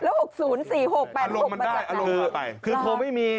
แล้ว๖๐๔๖๘๖มันจากเถอะครับคือคือโค้ชไม่มี